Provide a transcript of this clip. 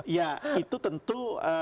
ya itu tentu